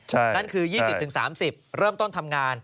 นั่นคือ๒๐๓๐เริ่มต้นทำงาน